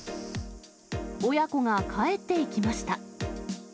親子が帰っていきました。